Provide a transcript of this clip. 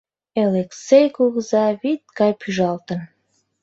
Элексей кугыза вӱд гай пӱжалтын.